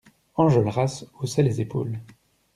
Enjolras haussait les épaules.